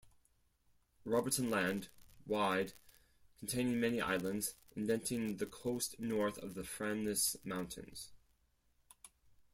Robertson Land, wide, containing many islands, indenting the coast north of the Framnes Mountains.